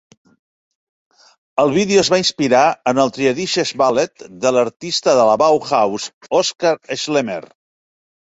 El vídeo es va inspirar en el "Triadisches Ballett", de l'artista de la Bauhaus Oskar Schlemmer.